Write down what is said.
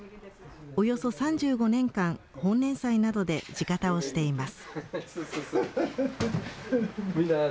およそ３５年間、豊年祭などで地謡をしています。